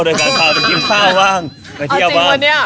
โดยการค้างานที่เขาบ้างและที่นั้นบ้าง